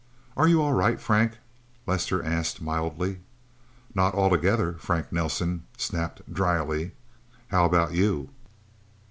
"Are you all right, Frank?" Lester asked mildly. "Not altogether!" Frank Nelsen snapped dryly. "How about you?"